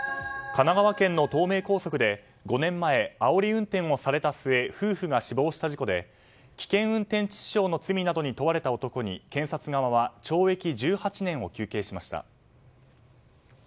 神奈川県の東名高速で５年前あおり運転をされた末夫婦が死亡した事故で危険運転致死傷の罪などに問われた男に検察側は懲役１８年を求刑しました。